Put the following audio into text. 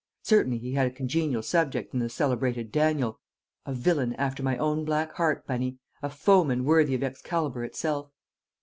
Certainly he had a congenial subject in the celebrated Daniel, "a villain after my own black heart, Bunny! A foeman worthy of Excalibur itself."